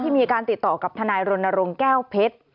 มีการติดต่อกับทนายรณรงค์แก้วเพชร